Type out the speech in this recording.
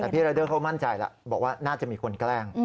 แต่พี่รายเดอร์เขามั่นใจแล้วบอกว่าน่าจะมีคนแกล้ง